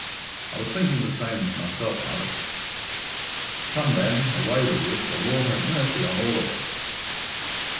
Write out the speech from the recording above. "I was thinking the same myself, mother." "Come, then, away with you. The Lord have mercy on all of us!"